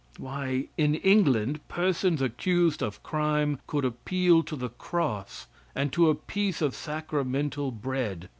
Why, in England, persons accused of crime could appeal to the cross, and to a piece of sacramental bread.